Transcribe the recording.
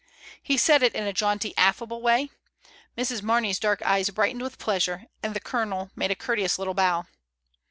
He said it in a jaunty affable way. Mrs. Mamey's dark eyes brightened with pleasure; the Colonel made a courteous little bow.